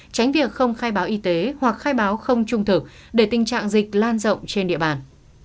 tránh việc không khai báo y tế hoặc khai báo không trung thực để tình trạng dịch lan rộng trên địa bàn